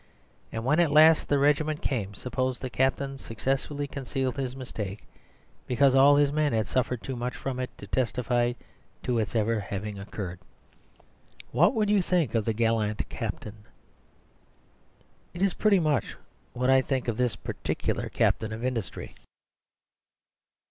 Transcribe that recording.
And, when at last the regiment came, suppose the captain successfully concealed his mistake, because all his men had suffered too much from it to testify to its ever having occurred. What would you think of the gallant captain? It is pretty much what I think of this particular captain of industry.